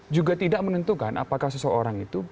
juga tidak menentukan apakah seseorang itu